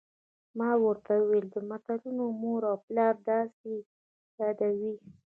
ما ورته وویل: د ملتونو مور او پلار، داسې یې یادوي.